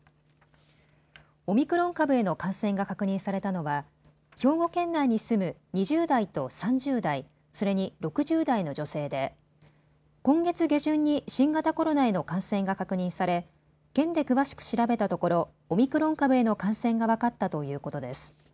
オミクロン株への感染が確認されたのは兵庫県内に住む２０代と３０代、それに６０代の女性で今月下旬に新型コロナへの感染が確認され県で詳しく調べたところオミクロン株への感染が分かったということです。